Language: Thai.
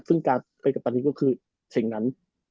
ซึ่งการเป็นกัปตันลีก็คือสิ่งนั้น